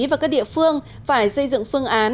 và các địa phương phải xây dựng phương án